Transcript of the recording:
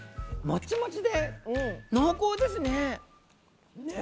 もちもちで濃厚ですね。ね！